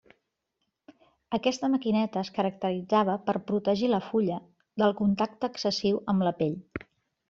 Aquesta maquineta es caracteritzava per protegir la fulla del contacte excessiu amb la pell.